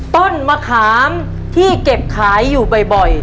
ต้นมะขามที่เก็บขายอยู่บ่อย